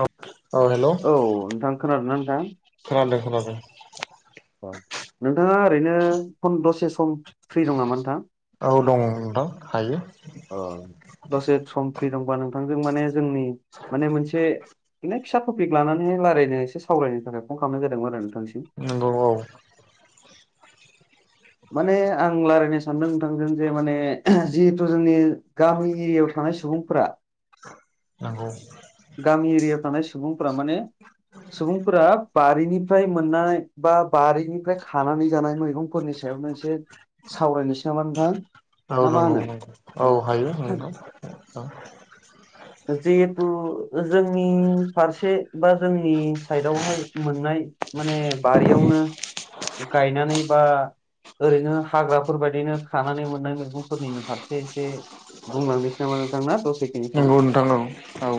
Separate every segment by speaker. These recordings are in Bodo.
Speaker 1: औ औ हेल'।
Speaker 2: औ नोंथां खोनादोंना नोंथां?
Speaker 1: खोनादों खोनादों।
Speaker 2: नोंथाङा ओरैनो फन्दद्रसे सम फ्रि दं नामा नोंथां।
Speaker 1: औ दं नोंथां हायो।
Speaker 2: दसे सम फ्रि दंबा नोंथांजों माने जोंनि माने मोनसे। बेनो फिसा पट्क लानानैहाय रायलायनो ए सावरायायनो थाखाय फन खालामनाय जादोंमोन आरो नोंथांसिम।
Speaker 1: नंगौ औ।
Speaker 2: माने आं रायज्लायनो सानदों नोंथांजों जे माने जिहेथु जोंनि गामि एरियायाव। थानाय सुबुंफोरा।
Speaker 1: नंगौ।
Speaker 2: गामि एरियायाव थानाय सुबुंफोरा माने। सुबुंफोरा बारिनिफ्राय मोननाय बा बारिनिफ्राय खानानै जानाय मैगंफोरनि। सायावनो एसे सावरायनोसै नामा नोंथां।
Speaker 1: औ
Speaker 2: ना मा होनो?
Speaker 1: नंगौ-नंगौ औ हायो नंगौ औ।
Speaker 2: जिहेथु जोंनि फारसे बा जोंनि साइडआवहाय मोननाय। माने बारियावनो गायनानै बा। ओरैनो हाग्राफोरबायायदिनो खानानै मोननाय मैगंफोरनिनो फारसे एसे। बुंलांनोसै नामा नोंथां ना। दसेखिनि सम?
Speaker 1: नंगौ नोंथां औ औ।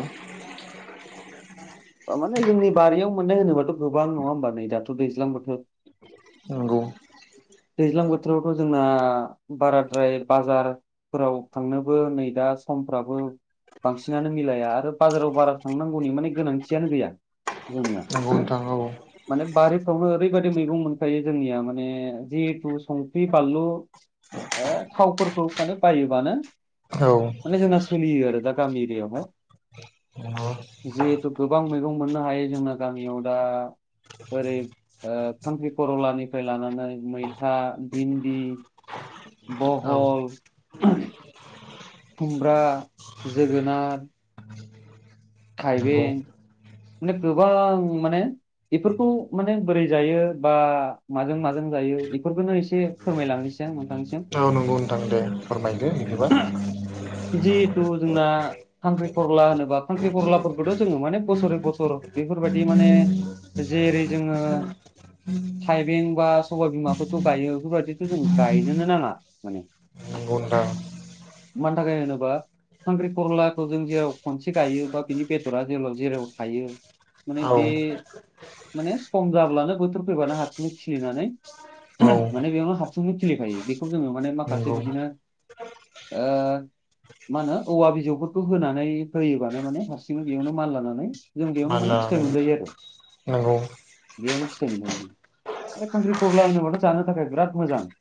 Speaker 2: माने जोंनि बारियाव मोननाय होनोबाथ' गोबां नङा होमबा नै दाथ' दैज्लांबोथीर।
Speaker 1: नंगौ
Speaker 2: दैज्लां बोथोरावथ' जोंना बाराद्राय बाजार। फोराव थांनोबो नै दा समफ्राबो। बांसिनानो मिलाया आरो बाजाराव बारा थांनांगौनि माने गोनांथि। खाथियानो गैया जोंनिया।
Speaker 1: नंगौ नोंथां औ
Speaker 2: माने बारिफ्रावनो ओरैबायदि मैगं मोनखायो जोंनिया माने जिहेथु संख्रि बानलु। ए थावफोरखौ माने बायोबानो।
Speaker 1: औ
Speaker 2: माने जोंना सलियो आरो दा गामि एरिया
Speaker 1: नंगौ
Speaker 2: जितु। गोबां मैगं मोननो हायो जोंना गामियाव दा। ओरै थांख्रि खर'लानिफ्राय लानानै मैथा भिन्दि।
Speaker 1: औ
Speaker 2: बहल। खुमब्रा जोगोनार।
Speaker 1: नंगौ
Speaker 2: थाइबें माने गोबां माने। बेफोरखौ माने बोरै जायो बा माजों माजों जायो। बेफोरखौनो एसे। फोरमायलांनोसै नोंथांनिसिम।
Speaker 1: औ नंगौ नोंथां दे फोरमायदो। एबा।
Speaker 2: जिहेथु जोंना। खांख्रि खरला होनोबा खांख्रि खरलाफोरखौथ' जोङो माने बोसोरै बोसोर बेफोरबायदि माने। जेरै जोङो। थाइबें बा सबायबिमाफोरखौ गायो बेफोरबायदिथ' जों गायनोनो नाङा माने।
Speaker 1: नोंग' नोंथा।
Speaker 2: मानि थाखाय होनोबा। खांख्रि खरलाखौ जों जेराव खनसे गायो बा बिनि बेदरा जेराव जेराव थायो। माने
Speaker 1: औ
Speaker 2: बे माने सम जाब्लानो बोथोर फैबानो हारसिंङै खिलिनानै माने बेयावनो हाबसुंनो खिलिफायो बेखौ जोङो माने माखासे
Speaker 1: नंगौ
Speaker 2: बिदिनो
Speaker 1: [inaudible]
Speaker 2: ओ मा होनो औवा बिजौफोरखौ होनानै होयोबानो माने हारसिङनो बेयावनो माल लानानै। जों बेयावनो
Speaker 1: मानि
Speaker 2: माने
Speaker 1: लानानै
Speaker 2: फिथाइ मोनजायो आरो
Speaker 1: नंगौ
Speaker 2: बेयावनो फिथाइ मोनजायो जों खांख्रि खरला होनोबाथ' जानो थाखाय बिराद मोजां।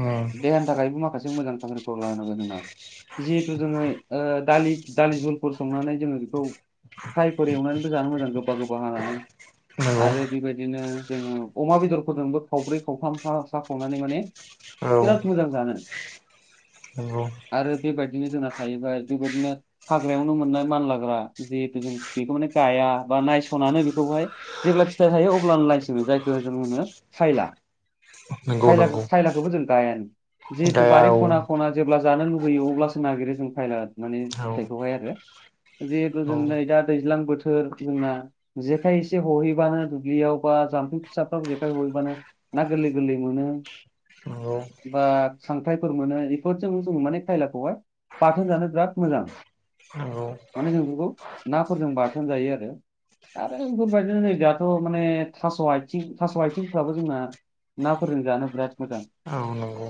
Speaker 1: उम
Speaker 2: देहानि थाखायबो माखासे मोजां लानांगौ जोंना जिहेथु जोङो दा दालि जुलफोर संनानै जोङो बेखौ प्राइफोर एवनानैबो जानो मोजां गोबा गोबा हानानै।
Speaker 1: नंगौ
Speaker 2: आरो बेबायदिनो जोङो अमा बेदरफोरजोंबो खावब्रै खावथाम सा खावनानै माने बिराद मोजां जानो।
Speaker 1: आरो
Speaker 2: आरो बेबायदिनो जोंना थाहैबाय बेबायदिनो हाग्रायावनो मोननाय मानलाग्रा जिहेथु जों बेखौ माने गाया बा नायस'ननानै बेखौहाय जेब्ला फिथाइ थायो अब्लानो नायसङो जायखौ जों होनो खायला।
Speaker 1: नंगौ
Speaker 2: खायलाखौ
Speaker 1: नंगौ
Speaker 2: खायलाखौबो जों गायानो जिहेतु
Speaker 1: गाया
Speaker 2: बारि
Speaker 1: औ
Speaker 2: खना खना जेब्ला जानो लुुबैयो अब्लासो नागिरो जों खाइला माने
Speaker 1: औ
Speaker 2: फिथाइखौहाय आरो। जिहेतु
Speaker 1: औ
Speaker 2: जों नै दा दैज्लां बोथोर जोंना जेखाइ एसे हहैबानो दुब्लियाव बा जाम्फुं फिसाफ्राव जेखाइ हहैबानो ना गोरलै गोरलै मोनो
Speaker 1: नंगौ
Speaker 2: बा खांख्रायफोर मोनो। जोङो माने खायलाखौहाय बाथोन जानो बिराद मोजां।
Speaker 1: औ
Speaker 2: माने जों बेफोरखौ नाफोरजों बाराथोन जायो आरो। आरो बेफोरबायदिनो नै दाथ' माने थास' आथिं थास' आथिंफ्राबो जोंना नाफोरजों जानो बिराद मोजां।
Speaker 1: औ नंगौ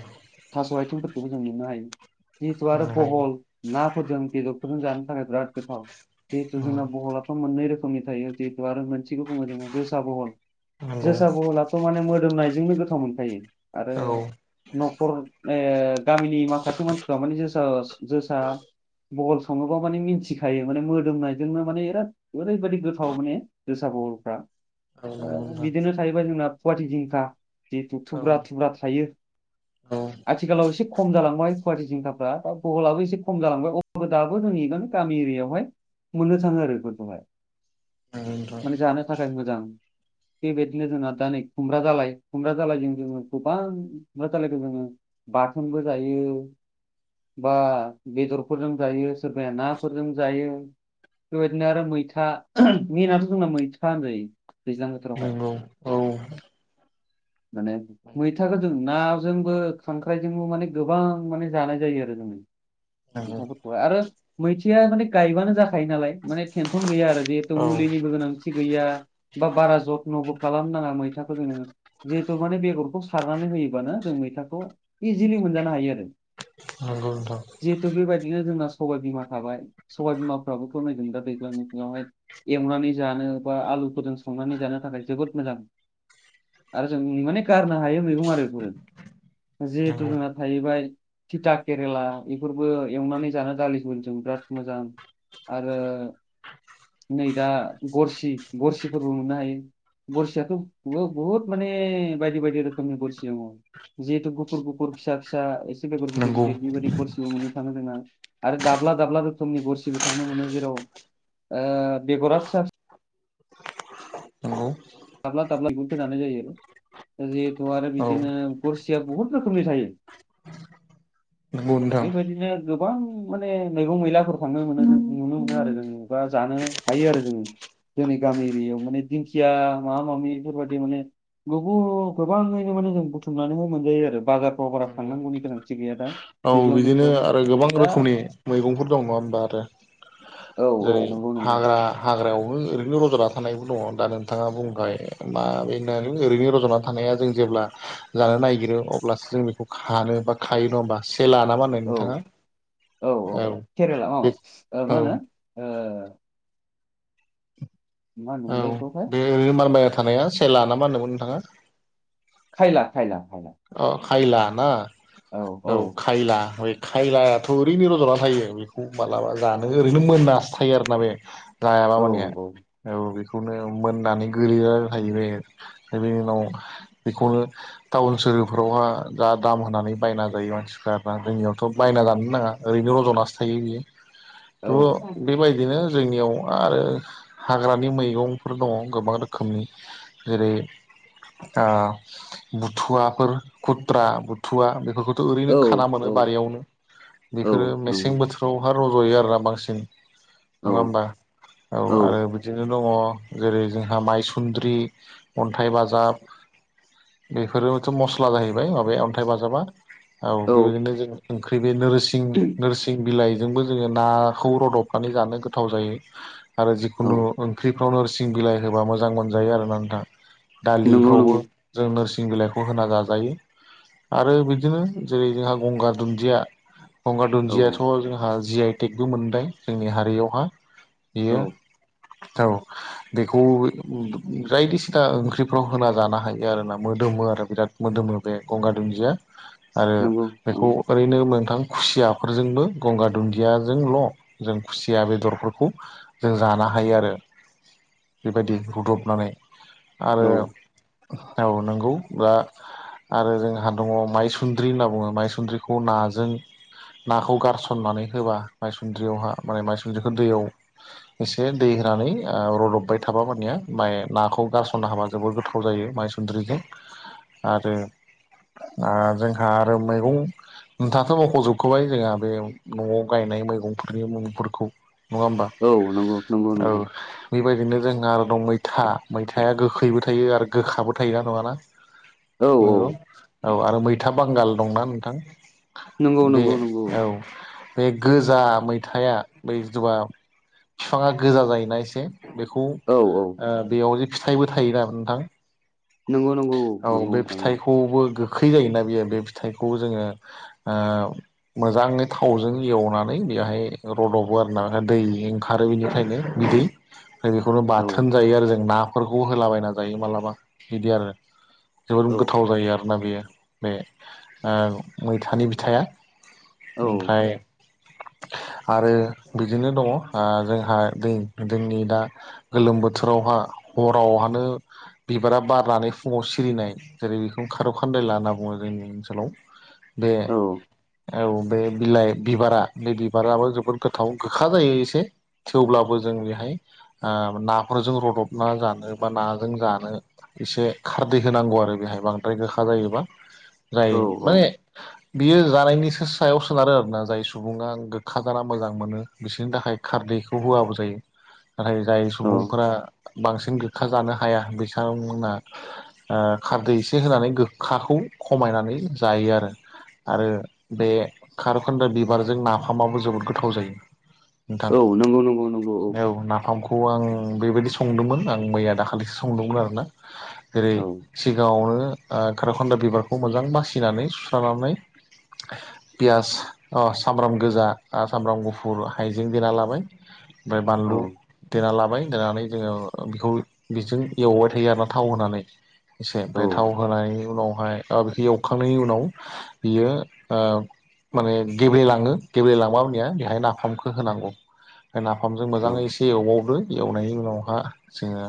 Speaker 2: थास' आथिंफोरखौबो जों नुनो हायो। जिहेतु आरो
Speaker 1: बुंनो हायो
Speaker 2: बहल नाफोरजों बेदरफोरजों जानो थाखाय बिराद गोथाव। जिहेतु जोंना बहलाफ मोननै रोखोमनि थायो जिहेतु आरो मोनसेखौ बुङो जोंङो जोसा बहल।
Speaker 1: नंगौ
Speaker 2: जोसा बहलाथ' माने मोदोमनायजोंनो गोथाव मोनखायो आरो
Speaker 1: औ
Speaker 2: न'खर ओ गामिनि माखासे मानसिफोरा माने जोसा जोसा बहल सङोबा माने मिथिखायो माने मोदोमनायजोंनो माने बिराद ओरैबायदि गोथाव माने जोसा बहलफ्रा।
Speaker 1: औ नंगौ नोंथां
Speaker 2: बिदिनो थायोबा जोंना पुवाटि जिंखा जिथु
Speaker 1: औ
Speaker 2: थुब्रा थुब्रा थायो।
Speaker 1: औ
Speaker 2: आथिखालाव एसे खम जालांबाय पुवाटि जिंखाफ्रा दा बहलाबो एसे खम जालांबाय अब्लाबो दाबो जोंनिजों गामि एरियायावहाय मोननो थाङो आरो बेफोरखौहाय।
Speaker 1: नंगौ नोंथां
Speaker 2: माने जानो थाखाय मोजां। बेबायदिनो जोंहा दा नै खुमब्रा जालाय खुमब्रा जालायजों जोङो गोबां खुमब्रा जालायखौ जोङो बाथोनबो जायो। बा बेदरफोरजों जायो सोरबाया नाफोरजों जायो। बेबायदिनो आरो मैथा मेनाथ' जोंना मैथा होनजायो दैज्लां बोथोरावहाय।
Speaker 1: नंगौ औ
Speaker 2: माने मैथाखौ जों नाजोंबो खांख्राय माने गोबां माने जानाय जायो आरो जों मैथाफोरखौहाय आरो मैथाया माने गायबानो जाखायो नालाय माने टेनसन गैया आरो जिहेतु मुलिनिबो गोनांथि गैया। बा बारा जथ्न'बो खालामनो नाङा मैथाखौदों जोङो। जिहेथु माने बेगरखौ सारनानै होयोबानो जों मैथाखौ इजिलि मोनजानो हायो आरो।
Speaker 1: नंगौ औ नंगौ नोंथां
Speaker 2: जिहेतु बेबायदिनो जोंना सबाय बिमा थाबाय। सबाय बिमाफ्राबोथ नै दा दैज्लां बोथोरावहाय एवनानै जानो बा आलुफोरजों संनानै जानो थाखाय जोबोद मोजां। आरो जों माने गारनो हायो मैगं आरो बेफोरो। जिहेथु जोंना थाहैबाय थिथा केरेला बेफोरबो एवना जानो दालि जों जोबोद मोजां। आरो नै दा गरसि गरसिफोरबो मोननो हायो। बरसियाथ' बवहुत माने बायदि बायदि रोखोमनि बरसि दङो जिहेतु गुफ गुफुर गुफुर फिसा फिसा एसे बेगर गिदिर
Speaker 1: नंगौ नंगौ
Speaker 2: गिदिर बिबायदि गरसिबो मोननो थाङो जोंना। आरो दाब्ला दाब्ला रोखोमनि गरसिबो थांनो मोनो जेराव ओ बेगरा फिसा फिसा।
Speaker 1: नोंगौ।
Speaker 2: दाब्ला दाब्ला बिगुरखौ जानाय जायो आरो। ओ जिहेथु आरो
Speaker 1: औ
Speaker 2: बिदिनो गरसिया बुहुत रोखोमनि थायो।
Speaker 1: नंगौ नोंथां
Speaker 2: बे बादिनो गोबां माने मैगं मैलाफोर फांनो मोनो नुनो मोना आरो जों बा जानो हायो आरो जों। जोंनि गामि एरियायाव माने दिंखिया मा मामि फोरबायदि माने गौगु गोबाङैनो माने जों बुथुमनानै मोन जायो आरो बाजारफ्राव बारा
Speaker 1: नंगौ
Speaker 2: थांनांगौनि गोनांथि गैया दा।
Speaker 1: औ
Speaker 2: दैज्लां
Speaker 1: बिदिनो
Speaker 2: बोथोरावबो
Speaker 1: आरो गोबां
Speaker 2: दा
Speaker 1: रोखोमनि मैगंफोर दङ होमबा आरो।
Speaker 2: औ
Speaker 1: हो
Speaker 2: औ
Speaker 1: जेरै
Speaker 2: नंगौ नंगौ
Speaker 1: हाग्रा हाग्रायावबो ओरैनो रज'ना थानायबो दङ दा नोंथाङा बुंगाय मा बेनानो ओरैनो रज'ना। थानाया जों जेब्ला जानो नागिरो अब्लासो जों बेखौ खानो बा खायो नङा होमबा सेेला नाम
Speaker 2: औ औ औ केरेला अ
Speaker 1: बे
Speaker 2: ओ
Speaker 1: औ
Speaker 2: मा होनो ओह मा
Speaker 1: औ
Speaker 2: होनोमोनलायबेखो हाय
Speaker 1: बे ओरैनो मारबायना थानाया सेला नामा होनदो मोन नोंथाङा।
Speaker 2: खायला खायला खाला।
Speaker 1: अह खायला ना औ खायलायाथ ओरैनो यजना थायो। बेखौ माबलाबा जानो ओरैनो मोनासोथायो आरोना बे जायाबा
Speaker 2: औ
Speaker 1: मानेया। औ बेखौनो मोननानै गोलैयो थायो बे। नै बेनि उनाव बेखौनो टाउन सोहोरफोरावहा जा दाम होनानै बायना जायो मानसिफ्रा बाद जोंनियावथ' बायना जानो नाङा। ओरैनो रज'नासो थायो बेयो।
Speaker 2: [inaudible]
Speaker 1: [unintelligible] बे बायदिनो जोंनियाव आरो हाग्रानि मैगंफोर दङ गोबां रोखोमनि जेरै आ बुथुवा फोर खुथ्रा बुथुवा बेफोरखौ थु
Speaker 2: औ
Speaker 1: ओरैनो खाना मोनो बारियावनो बेफोरो मेसें
Speaker 2: नंगौ
Speaker 1: बोथोर फोरहा रज'यो आरो राबांसिन नङा होमबा औ आरो बि दिनो दङ जेरै जोंहा माइसुन्द्रि अन्थाइ बाजाब। बेफोरोथ' मस्ला जाहैबाय माबाया अन्थाइ बाजाबा औ बेबायदिनो जों ओंख्रि बे नोरसिं नोरसिं बिलाइ जोंबो जोङो नाखौ रदबनानै जानो गोथाव जायो आरो
Speaker 2: औ
Speaker 1: जिखुनु ओंख्रि फ्राव नोरसिं बिलाइ होबा मोजां मोनजायो आरोना नोंथां
Speaker 2: नंगौ
Speaker 1: दालिफ्रावबो
Speaker 2: नंगौ
Speaker 1: जों नोरसिं बिलाइखौ बोहोना जाजायो आरो बिदिनो जेरै जोंहा गंगार दुन्दिया गंगार
Speaker 2: औ
Speaker 1: दुन्दियाथ' जोंहा जि आइ टेकबो मोनबाय जोंनि हारियावहा बियो
Speaker 2: औ
Speaker 1: औ बेखौ जायखिसिता ओंख्रिफ्राव होना जाना हायो आरोना मोदोमो आरो। बिराद मोदोमो बे गंगार दुन्दिया आरो
Speaker 2: नंगौ औ
Speaker 1: बेखौ ओरैनो मोंथां खुसियाफोरजोंबो गंगार दुन्दिया जोंल' जों खुसिया बेदरफोरखौ जों जाना हायो आरो। बेबायदि रुदबनानै आरो
Speaker 2: औ
Speaker 1: औ नंगौ। ला आरो जोंहा दङ माइसुन्द्रि होनना बुङो माइसुन्द्रिखौ नाजों नाखौ गारसननानै होबा माइसुन्द्रियावहा माने माइसुन्द्रिखौ दैयाव एसे दै होनानै ओ रदबबाय थाबा मानिया माय नाखौ गारसननो हाबा जोबोद गोथाव जायो माइसु सुन्द्रिजों आरो आ जोंहा आरो मैगं। नोंथाङाथ' मख'जोबखाबाय जोंहा बे न'आव गायनाय मैगंफोरनि मुंफोरखौ नंङा होम्बा?
Speaker 2: औ नंगौ नंगौ
Speaker 1: औ
Speaker 2: नंगौ
Speaker 1: बेबायदिनो जोंहा आरो दं मैथा मैथाया गोखैबो थायो आरो गोखाबो थायो ना नंङाना?
Speaker 2: औ औ
Speaker 1: नंगौ औ आरो मैथा बांगाल दंना
Speaker 2: नंगौ
Speaker 1: नोंथां बे
Speaker 2: नंगौ नंगौ
Speaker 1: औ बे गोजा मैथाया बै जबा फिफाङा गोजा जायोना एसे बेखौ
Speaker 2: औ औ
Speaker 1: ओ बेयाव जे फिथाइबो थायोना नोंथां।
Speaker 2: नंगौ नंगौ।
Speaker 1: औ
Speaker 2: नंगौ
Speaker 1: बे
Speaker 2: नोंथां नंगौ
Speaker 1: फिथाइखौबो गोखै जायोना बेयो बे फिथाइखौ जोङो ओ मोजांङै थावजों एवनानै बेहाय रद'बो आरोना माने दै ओंखारो बिनिफ्रायनो बिदै [unintelligible]
Speaker 2: औ
Speaker 1: बाथोन जायो आरो जों ना फोरखौबो होलाबायना जायो मालाबा बिदि आरो। जोबोद
Speaker 2: औ
Speaker 1: गोथाव जायो आरोना बेयो बे ओ मैथानि बिथाइआ
Speaker 2: औ
Speaker 1: ओमफाय आरो बिदिनो दंङ ओ जोंहा दै जोंनि दा गोलोम बोथोरावहा हरावहानो बिबारा बारनानै फुंङाव सिरिनाय जेरै इखौ खारौ खान्दायला होनना बुंङो जोंनि ओनसोलाव। बे
Speaker 2: औ
Speaker 1: औ बे बिलाइ बिबारा बे बिबाराबो जोबोद गोथाव गोखा जायो एसे थेवब्लाबो जों बेहाय आ ना फोरजों रदबना जानो बा ना जों जानो एसे खारदै होनांगौ आरो बेहाय बांद्राय गोखा जायोबा जाय
Speaker 2: औ औ
Speaker 1: माने बियो जानायनिसो सायाव सोनारो आरोना जाय सुबुंङा गोखा जाना मोजां मोनो बिसोरनि थाखाय खारदैखौ होआबाबो जायो। नाथाय जाय
Speaker 2: औ
Speaker 1: सुबुंफोरा बांसिन गोखा जानो हाया बिथांमोना आ खारदै एसे होनानै गोखाखौ खमायनानै जायो आरो। आरो बे खार'खान्दा बिबारजों नाफामाबो जोबोद गोथाव जायो। नोंथां
Speaker 2: औ नंगौ नंगौ नंगौ
Speaker 1: औ ना फामखौ आं बेबादि संदोंमोन आं मैया दाखालिसो संदोंमोन आरो ना। जेरै
Speaker 2: औ
Speaker 1: सिगांङावनो ओ खार'खान्दा बिबारखौ मोजां बासिनानै सुस्रानानै पियास सामब्राम गोजा सामब्राम गुफुर हाइजें देना लाबाय। फाय
Speaker 2: औ
Speaker 1: बानलु देना लाबाय देनानै जोंङो बेखौ बेजों एवबाय थायो आरोना थाव होनानै एसे
Speaker 2: औ
Speaker 1: फाय थाव होनायनि उनावहाय बेखौ एवखांनायनि उनाव बियो ओ माने गेब्लेलांङो गेब्लेलांबानिया बेहाय नाफामखौ होनांगौ। नाफामजों
Speaker 2: औ
Speaker 1: मोजांङै एसे एवबावदो एवनायनि उनावहा जोंङो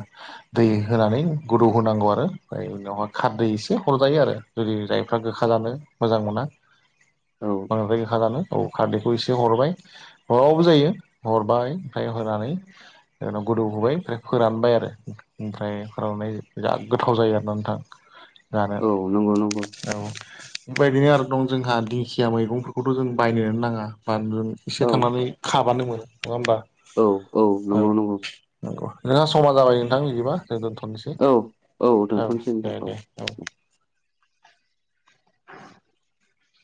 Speaker 1: दै होनानै गोदौ होनांगौ आरो फाय उनावहाय खारदै एसे हरजायो आरो जुदि जायफ्रा गोखा जानो मोजां मोना
Speaker 2: औ
Speaker 1: बांद्राय गोखा जानो। औ खारदैखौ एसे हरबाय हराबाबो जायो हरबाय ओमफ्राय हरनानै उनाव गोदौ होबाय फ्राय फोरानबाय आरो ओमफ्राय फोराननाय बिराद गोथाव जायो आरोना नोंथां। जानो
Speaker 2: औ नंगौ नंगौ।
Speaker 1: औ, ओमफ्राय बिनो आरो दं जोंहा दिंखिया मैगं फोरखौथ' जों बायनोनो नांङा बानलु एसे
Speaker 2: औ
Speaker 1: थांनानै खाबानो मोनो नंङा होमबा?
Speaker 2: औ
Speaker 1: औ
Speaker 2: नंगौ नंगौ
Speaker 1: नंगौ नोंहा समा जाबाय नोंथां, बिदिबा जों दोनथ'नोसै।
Speaker 2: औ औ दोनथ'नोसै नोंथां औ औ